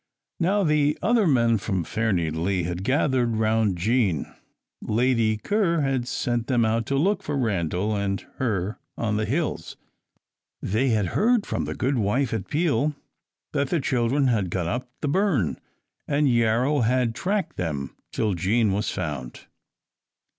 Now the other men from Fairnilee had gathered round Jean. Lady Ker had sent them out to look for Randal and her on the hills. They had heard from the good wife at Peel that the children had gone up the burn, and Yarrow had tracked them till Jean was found.